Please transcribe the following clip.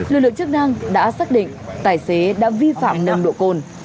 lực lượng chức năng đã xác định tài xế đã vi phạm nồng độ cồn